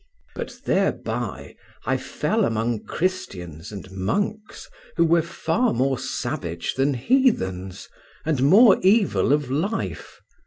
But thereby I fell among Christians and monks who were far more savage than heathens and more evil of life.